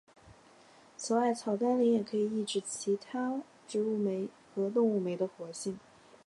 此外草甘膦也可以抑制其他植物酶和动物酶的活性。